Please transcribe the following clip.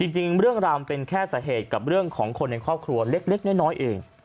จริงเรื่องราวมันเป็นแค่สาเหตุกับเรื่องของคนในครอบครัวเล็กน้อยเอง